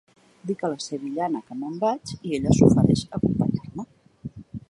Dic a la sevillana que me'n vaig i ella s'ofereix a acompanyar-me.